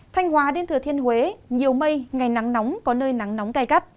thanh hóa đến thừa thiên huế nhiều mây ngày nắng nóng có nơi nắng nóng gai gắt